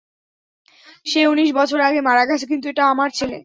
সে ঊনিশ বছর আগে মারা গেছে, কিন্তু এটা আমার ছেলে।